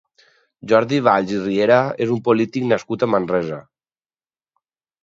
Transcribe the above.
Jordi Valls i Riera és un polític nascut a Manresa.